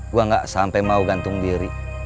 gue gak sampai mau gantung diri